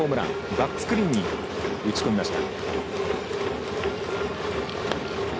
バックスクリーンに打ち込みました。